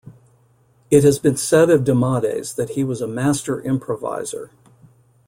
It has been said of Demades that he was a master improviser.